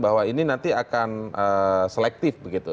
bahwa ini nanti akan selektif begitu